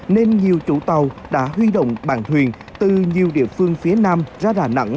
nên nhiều chủ tàu đã huy động bàn thuyền từ nhiều địa phương phía nam ra đà nẵng